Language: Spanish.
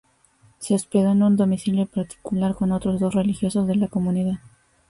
Se hospedó en un domicilio particular con otros dos religiosos de la comunidad.